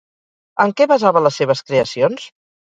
En què basava les seves creacions?